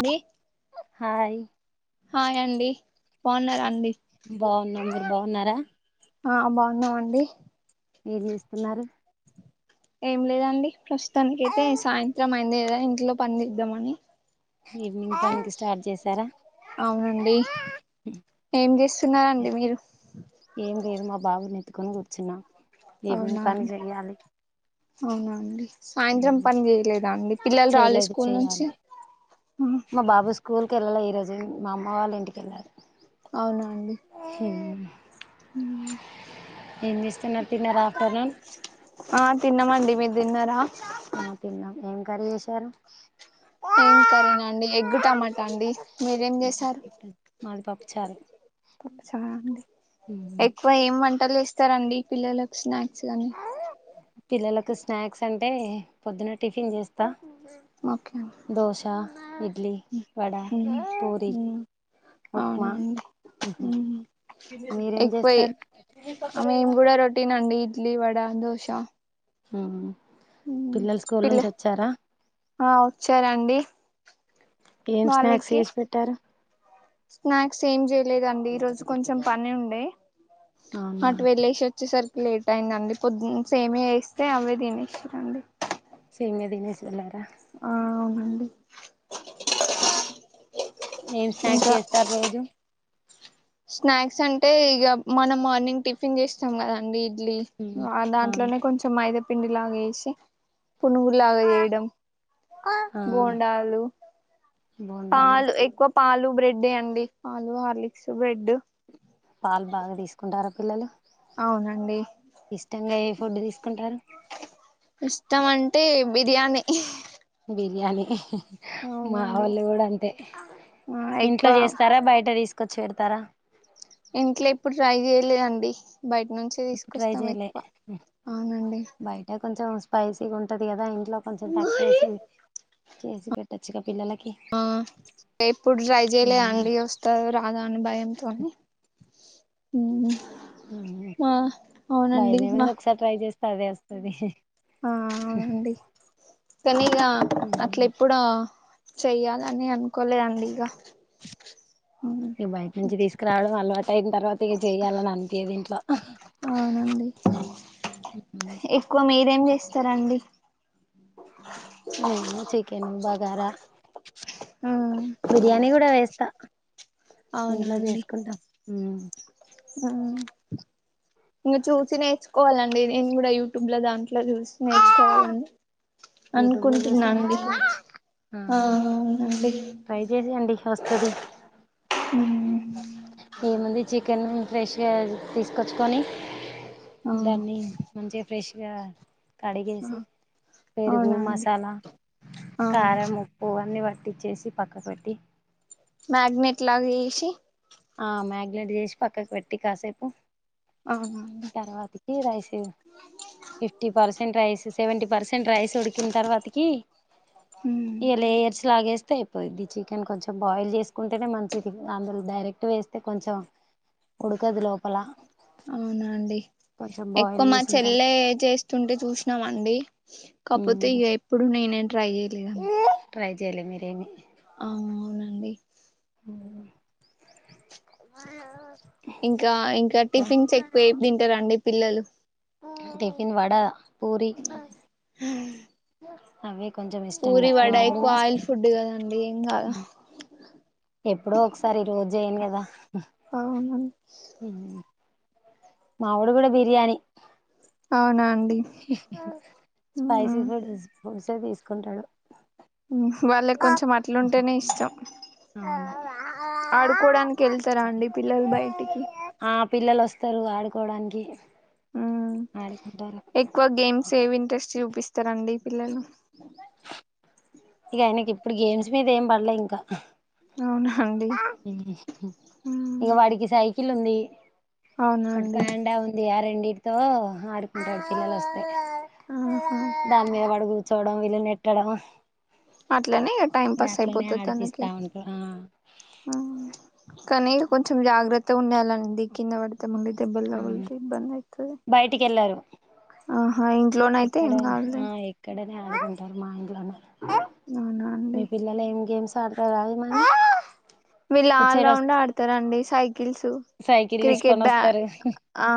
అది hi hi అండి బాగున్నారా అండి బాగున్నా మీరు బాగున్నారా ఆ బాగున్నామండి ఏం చేస్తున్నారు ఏం లేదండి ప్రస్తుతానికి అైతే సాయంత్రం అయిందిదా ఇంట్లో పనిచేద్దామని ఈవినింగ్ పనికి స్టార్ట్ చేసారా అవునండి ఏం చేస్తున్నరండి మీరు ఏం లేదు మా బాబు నీ ఏత్తుకొని కూర్చున్నా ఈవినింగ్ పని చెయ్యాలి అవునండి సాయంత్రం పని చేయలేదా అండి పిల్లలు రాలే చేయలేదు స్కూల్ నుంచి ఆ స్కూల్కి వెళ్ళలే ఈరోజు మా అమ్మ వాళ్ళ ఇంటికి వెళ్లారూ అవున అండి ఏం చేస్తున్నారు తిన్నారా ఆఫ్టర్నూన్ ఆ తిన్నామండి మీరు తిన్నారా? ఆ తిన్నాం ఏం [unintelligible] ఏం కర్రీనా అండి ఎగ్గు టమాటా అండి మీరేం చేసారు మాది పప్పుచారు ఒకసారి ఆగండి ఎ ఇస్తారండి పిల్లలకు స్నా పిల్లలకు స్నాక్స్ అంటే పొద్దున్న టిఫిన్ చేస్తా ఒకే దోశ ఇడ్లీ వడ హమ్ పూరి హమ్ ఉప్మా అవునండి హమ్ మీరేం ఎక్కువయి చేస్తారు మేము కూడా రొటీనండి ఇడ్లీ వ దోస హమ్ పిల్లలు స్కూల్ పిల్ల నుంచి వచ్చారా ఆ వచ్చారండి ఏం స్నాక్స్ వాళ్ళకి చేసి పెట్టారు సేమ్ జ లేదండి ఈ రోజు కొంచెం పని ఉండే అవునా అటు వెళ్ళిసి వచ్చిసరికి లేట్ అయిందండి సేమ వేస్తే అవే తినేసినాయి అండి ఇడ్న తీసేసి వెళ్లార ఆ అవునండి ఆ ఏం స్నాక్స్ ఇంకా చేస్తారు రోజు స్నాక్స్ అంటే ఇక మనం మార్నింగ్ టిఫిన్ చేస్తాం కదండి లి మ్మ్ ఆ దాంట్లోనే కొంచెం మైద పిండిలాగా ఏసి పునుగులాగ ఆ చేయడం ఆ బోండాలు బోండాలు పాలు ఎక్కువ పాలు బ్రెడే అండి పాలు హార్లిక్స్ బ్రెడ్ పాలు బాగా తీసుకుంటార పిల్లలు అవునండి ఇష్టంగా ఏ ఫుడ్ తీసుకుంటారు ఇష్టం అంటే బిర్యానీ, బిర్యానీ మా అవునండి వాళ్లులు కూడా అంతే ఆ ఎక్కువ క్క చేడుతారా డి బయట నుంచి ఎప్పుడు ట్రై తీసుకొస్తాం చేయలే ఎక్కువ ఆ అవునండి బయట కొంచెం స్పైసీగా ఉంటుది కదా ఇం ట్లా కొంచెం తక్కువేసి చేసి పెట్టొచ్చు గ ఆ ఎప్పుడు ట్రై జేయలే అండి వస్తాదో రాదో అని భయం కానీ హ్మ్ ఆ అవునండి హా స్తే అదే వస్తది ఆ అవునండి కనీ ఇగా అట్లెప్పుడు చెయ్యాలని అనుకోలేదండి ఇగ మీ బైక్ నుంచి తీసుకురావడం అలవాటు అయిన తర్వాత గట్టిగా చెయ్యాలని అనిపీయదు ఇంట్లో అవునండి ఏం చేస్తరండి ను చికెన్ బగారా బిర్యానీ కూడా చేస్తా అవునా ఇంట్లో చేసుకుంటాం ఇంక చూసి నేర్చుకోవాలండి నేను కూడా యూట్యూబ్ లో దాంట్లో చూసి నేర్చుకోవాలని యూట్యూబ్ లో చూసి అనుకుంటున్నా అండి నేర్చుకోవచ్చు ఆ అవునండి ట్రై చేసేయండి వస్తది ఆ ఏముంది చికెన్ ఫ్రెష్గా తీసుకొచ్చుకొని దాన్ని మంచిగా ఫ్రెష్ జ కడిగేసి పెరుగు అవునా అండి మసాలా ఆ కారం ఉప్పు ఇవన్నీ పట్టిచ్చేసి పక్క పెట్టి మ్యాగ్నెట్ లాగా ఏసి ఆ మ్యాగినేట్ చేసి పక్కకు పెట్టి కాసేపు అవునండి తర్వాతకి rice fifty percent rice seventy percent rice ఉడికిన తర్వాతకి ఏలే ఎర్స్ లాగేస్ తే అయిపోద్ది చికెన్ కొంచెం బాయిల్ చేసుకుంటేనే మంచిది అందులో డైరెక్ట్ వేస్ తే కొంచెం ఉడుకదు లోపల అవునండి కొంచెం ఎక్కువ బాయిల్ మా చేసిన తర్వాత చెల్లె చేస్తుంటే చూసినాం అండి కాకపోతే ఇక ఎప్పుడు నేనే ట్రై చేయలేదండి జెయ్లే మీరేమీ ఔనండి ఊ ఇంకా ఇం ఇంకా టిఫిన్స్ ఎక్కువ ఏం తింటారండి పిల్లలు టిఫిన్ వడ పూరి అవి కొంచం ఇష్టంగా పూరి వడ మా వోడు ఎక్కువ కూడా ఆయిల్ ఫుడ్ కదండి ఏం కాదు ఊ ఎప్పుడో ఒకసారి రోజూ జెయ్యను కద వా అవునన మావడ కూడా బిర్యాణి అ నా స్పైసి ఫుడ్ హోంసే తీసుకుంటాడు ఉమ్ వాళ్ళక్ కొంచెం అట్లుంటేనే ఇష్టం ఆడుకోడానికి యెళ్తరా అండి పిల్లలు బయటికి పిల్లలొస్తరు ఆడుకోడానికి ఆడికుంటారా సేవ్ ఇంట్రెస్ట్ చూపిస్తరండి పిల్లలు ఇగ ఆయనకి ఇప్పుడు గేమ్స్ మీద ఏం పల్లే ఇంక [inaudible] అండి ఇగ మ్మ్ వాడికి సై కిలుంది అవునా ఒకటి అండి ప్యాన్డా ఉంది ఆరెండిట్ తో ఆడుకుంటాడు పిల్లలు వస్ ఆహా దాన్ మీద వడుగు చోడం వెళ్ళి నెట్టడం అట్లనే ఇగ టైం పాస్ అట్లనే అయిపోతది తనకి ఆడిపిస్తా ఉంటా ఆ ఆ కాని కొంచెం జాగ్రత్తగుండాలండి కింద పడితే ముందు ఈ దెబ్బలు అవును తగుల్తే ఇబ్బందయితది బయటికి వెళ్ళారు ఆహా ఇంట్లోనయితే ఏం కాదులే నే ఆడుకుంటారు మా ఇంట్లోనే అవునా అండి మీ పిల్లలేం గేమ్స్ తాడుతారా ఏమన్న వీళ్ళ్ ఆల్ రౌండ్ ఆడతారండి స్ కిల్సు సైకిల్ క్రికెట్ తీసుకొని బ్యా వస్తారు ఆ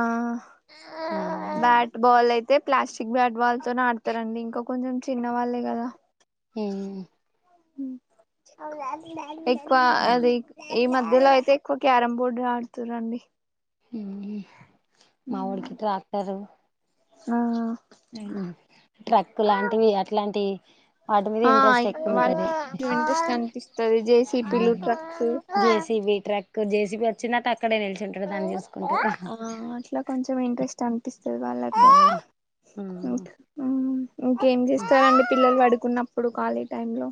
బ్యాట్ బాల్ అయితే ప్లాస్టిక్ బ్యాట్ బాల్ తో ఆడతారండి ఇంకా కొంచెం చిన్న వాళ్ళే కదా ఉమ్ ఎక్కువ అది ఈ మధ్యలో ఐతే ఎక్కువ క్యారం బోర్డ్ ఏ ఆడుతుర్ర్ అండి మ్ హు మా ఓడికి ట్రాక్టరు ఆ ఉమ్ ట్రక్క్ లాంటివి అట్లాంటివి వాటి మీద ఆ ఇంట్రెస్ట్ ఎక్కువ ఉంటది వాళ్ళకి ఇంట్రెస్ట్ అనిపిస్తది జేసిపిలు ట్రక్స్ ఉమ్ జేసిబి ట్రక్కు జేసీపి అచ్చినట్టక్కడే నిలుచుంటాడు దాన్ని తీస్ ఆ అట్ల కొంచెం ఇంట్రెస్ట్ అన్ పిస్తది వాళ్ళకు ఇంక్ ఉమ్ ఇంకేం చేస్తారండి పిల్లలు పడుకున్నప్పుడు కాలీ టైమ్ లో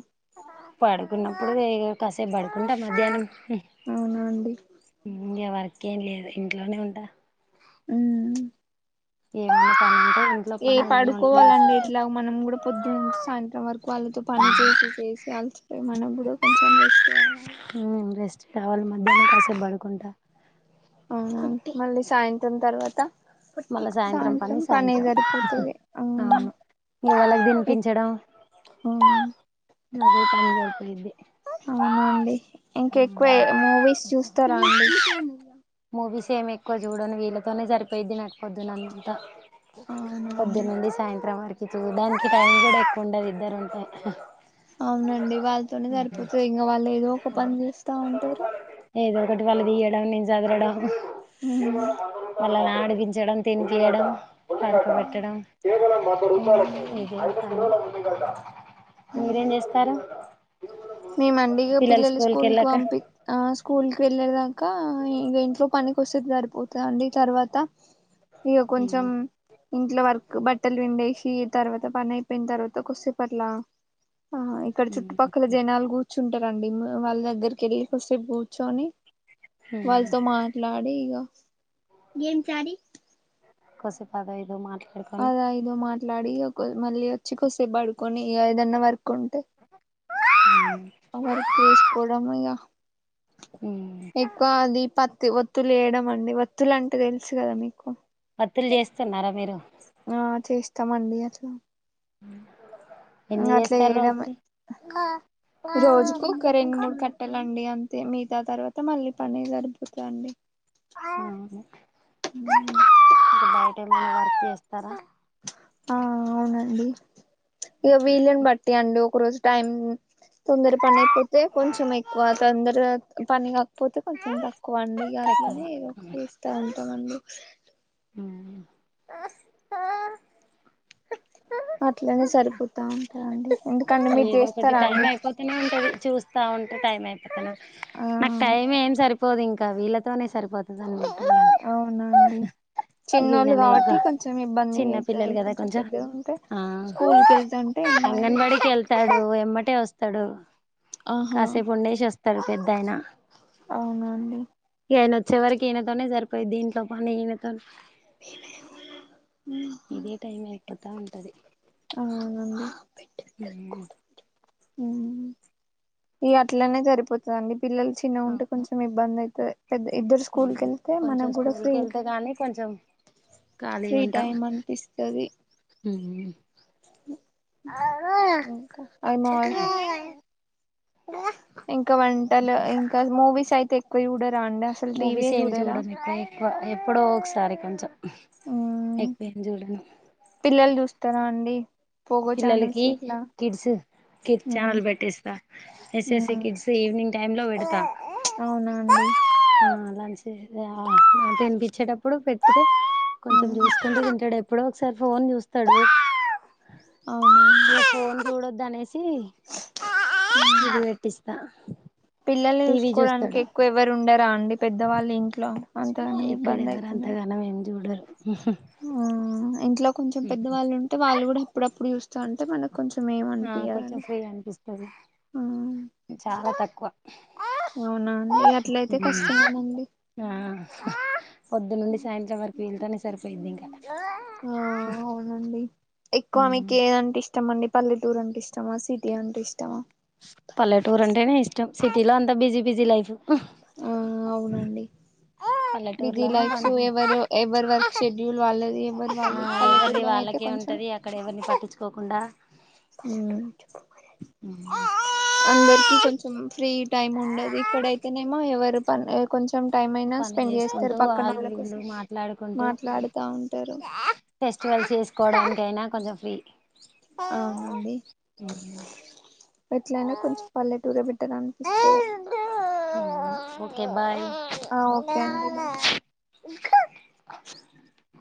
పడుకున్నప్పుడు ఇగ కాసేపు పడుకుంటా మధ్యాహ్నం అవునా అండి మ్ మ్ ఎవరి కేం లేదు ఇంట్లోనే ఉంటా ఉం ఏమన్నా పనుంటే ఏ పడుకోవాలండి ఇట్లా మనం కూడా పొద్దునంచి సాయంత్రం వరకు వాళ్ళతో పని చేసి చేసి ఆలిసిపో మనం కూడా కొంచెం రెస్ట్ కావాలే మ్ రెస్ట్ కావాలి మధ్యనం కాసేపు పడుకుంటా అవును ఆ మళ్ళీ సాయంత్రం తర్వాత మళ్ళా సాయంత్రం పని సాయంత్రం అవును ఇగ వాళ్ళకి తినిపించడం అదే టై సరిపోయిద్ది అవునా అండి ఇంక ఎక్కువ మూవీస్ చూస్ తరాండి మూవీస్ ఏం ఎక్కువ చూడను వీళ్ళతోనే సరిపోయిద్ది పొద్దున్నంత అవునండి పొద్దునుండి సాయంత్రం వరకు చూడడానికి టైం కూడా ఎక్కువ ఉండదు ఇద్దరు ఉంటె అవునండి వాళ్ళతోనే సరిపోతుంది ఇంకా వాళ్ళు ఏదో ఒక పని చేస్తా ఉంటారు ఏదో ఒకటి వాళ్ళు తీయడం నిను జదరడం వాళ్ళని ఆడిపించడం తిని పియ్యడం పడుకో పెట్టడం అవునండి మీరేం చేస్తారు నీనా అండి ఇగ పిల్లలు స్కూల్కి స్కూల్ కి వెళ్ళాక పంపి ఆ స్కూల్ కి వెళ్ళాడు దాకా ఇంకా ఇంట్లో పనికి వస్తది పడిపొయింది అండి తర్వాత ఇక కొంచెం ఇంట్లో వరకు బట్టలు పిండేసి తర్వాత పని అయిపోయిన తర్వాత కొసేపుఅట్లా ఆహా ఇక్కడ చుట్టుపక్కల నాలుగు కూర్చుంటారండి వాళ్ళ దగ్గరికి వెళ్ళి కొసేపు కూర్చొని వాళ్ళతో మాట్లాడి ఇగ ఏం శారి కొసెపు అదో ఇదో మాట్లా అదా ఇదొ మాట్ ట్లాడి మళ్ళీ వచ్చి కొసేపు పడుకొని ఏదన్నా వర్క్ కుంటే ఆ ఆ వర్క్ చెసుకోవడం ఇగా ఎక్కువ అది పత్తి వాత్ వత్తులు వేయడం అండి వత్తులు అంటే తెలుసు కదా మీకు వత్తులు చేస్తున్నారా మీరు తమ మండియా కి అ ఎన్ని అట్లా చేస్తారు వెయడమే రోజుకి ఇంకా రోజుకి ఒక రెండు మూడు కట్టెలు అయిన అండి అంతే మిగతా తర్వాత మళ్ళీ పని సరిపోతది అండి [unintelligible] ఒకటి ఎమన్నా వర్క్ ఇస్తారా ఆ అవునండి ఇగ వీలును బట్టి అండు ఒక రోజు టైం తొందర పని అయిపోతే కొంచెం ఎక్కువ తొందరగా పని గా పోతే కొంచెం తక్కువ అండి ఇగ తక్కువ అట్లనే ఒకటి ఇస్తా ఉంటామండి [inaudible] అట్లనే సరిపోతా ఉంటాయండి ఎందుకంటే మీరు ఏదో ఒకటి చేస్తారా టైం అండి అయిపోతానే ఉంటది చూస్తా ఉంటే టైం అయిపోతాను ఆ నాకు టైం ఏం సరిపో పోదింక వీళ్ళతోనే సరిపోతు అవునా అండి ఇగ ఈననే ఇగ చిన్న అయితది పిల్లలు కదా కొంచెం పెద్దగా ఉంటే ఆ స్కూల్ కి వెళ్తుంటే ఏం కాదు అంగన్వాడికి వెళ్తాడు వెమ్మటే వస్తాడు కాసేపు ఉండేషొస్ తరు పెద్దాయిన అవునా అండి కి ఆయన వచ్చే వరకి ఈయనతోనే సరిపోయిద్ది ఇంట్లో పని ఈయనతో [inaudible] ఇదే టైం అయిపో టైం పది అవునండి ఊహు హ్మ్ ఇగ అట్లానే సరిపోతదండి పిల్లలు చిన్న ఉంటే కొంచెం ఇబ్బంది అయి తది పెద్ద ఇద్దరు స్కూల్ కి వెళ్తే కొంచెం మనకు కూడా స్కూల్ ఫ్రీ కి వెళ్తే గానీ కొంచెం ఫ్రీ ఖాళీగా టైం అనిపిస్తది ఊ ఐమోర్ ఇంకా వంటలు ఇంకా మూవీస్ అయితే కొయూడద్ మూవీస్ ఏం జూడ ఎక్కు ఎక్కువ ఎప్పుడో ఒకసారి కొంచం మ్మ్ ఎక్కువేం జూడను త్తర అండి పోగో ఛానల్స్ పిల్లలకి ఇట్లా కిడ్స్ కిడ్ మ్మ్ ఛానల్ పెట్టేస్తా ఎస్ఎస్సి మ్మ్ కిడ్స్ ఈవినింగ్ టైంలో వెడతా అవునా అండి ఆ అంటే ఆ తినిపించేటప్పుడు పెట్టితే కొంచెం జూసుకుంట తింటడెప్ ఎపుడో ఒకసారి ఫోన్ జూస్తడు అవునండి ఫోన్ చూడొదనేసి ఇది వెట్టిస్తా పిల్లల్ని జూస్కోడానికి ఎక్కువ ఎవరు ఉం టర అండి పెద్దవాళ్ళు ఇంట్లో అంతగనం ఇబందయితుందంటే ఉహు ఇంట్లో కొంచెం పెద్దవాళ్ళు ఉంటే వాళ్ళు గూడా అప్పుడప్పుడు జూస్ చంటే మనకు కొంచెం ఆ కొంచెం ఏమనిపియదండి ఫ్రీ అనిపిస్తది చాలా తక్కువ అవునా అండి అట్లయితే కష్టమేనండి ఆ పొద్దునుండి సాయంత్రం వరకు వీళ్ళతోనే సరిపోయిద్ది ఇంకా ఆ అవునండి ఎక్కువ మీకు ఏదంటే ఇష్ ష్టమండి పల్లెటూరు అంటే ఇష్టమా సిటీ అంట ఇష్టం పల్లెటూరు అంటేనే ఇష్టం సిటీలో అంత బిజీ బిజీ లైఫు ఆ అవునండి బిజీ పల్లెటూరులోనే లైఫ్స్ పని ఎవరు ఎవరు వర్క్ షెడ్యూల్ వాళ్ళది ఎవరు ఆ వాళ్ళి పల్లెటూర్లోనయితే కొంచెం పోకుండా అందరికి కొంచం ఫ్రీ టైమ్ ఉండదు ఇక్కడైతేనేమో ఎవరు ప కొంచం పని జేసుకుంటూ ఆళ్ళ వీళ్ళు కోసం మాట్లాడుకుంటూ మాట్లాడుతా ఉంటారు ఫెస్టివల్ చేసుకోవడానికైనా కొంచెం త్రీ అవునండి ఎట్లయినా కొంచెం పల్లెటూరె బెట్ ట్ట అనిపిస్తది ఓకే బాయ్ ఆ ఓకే అండి బా ఇంకా